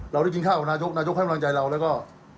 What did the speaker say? เราได้กินข้าวกับนายกนายกให้กำลังใจเราแล้วก็